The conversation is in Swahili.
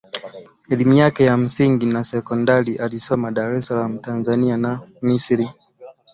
Elimu yake ya msingi na sekondary alisoma Dar es salaam Tanzania na Misri